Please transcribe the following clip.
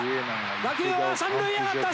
打球は三塁へ上がった！